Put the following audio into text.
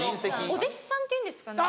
お弟子さんっていうんですかね？